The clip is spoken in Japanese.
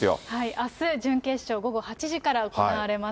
あす、準決勝、午後８時から行われます。